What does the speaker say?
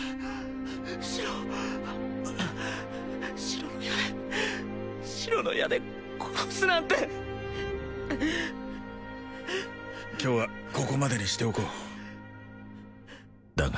白白の矢で白の矢で殺すなんて今日はここまでにしておこうだが